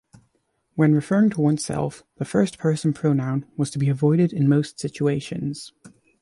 When referring to oneself, the first-person pronoun was to be avoided in most situations.